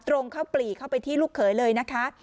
ตรงเข้าปลีเข้าไปที่ลูกเขยเลยนะคะ